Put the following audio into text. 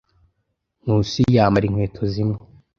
Nkusi yambara inkweto zimwe.